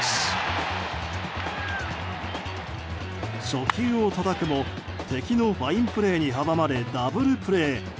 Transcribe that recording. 初球をたたくも敵のファインプレーに阻まれダブルプレー。